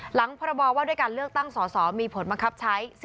พรบว่าด้วยการเลือกตั้งสอสอมีผลบังคับใช้